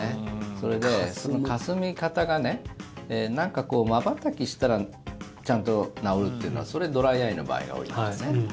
それで、そのかすみ方がねまばたきしたらちゃんと治るっていうのはそれ、ドライアイの場合が多いんですよね。